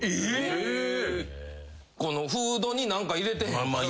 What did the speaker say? このフードに何か入れてへんか。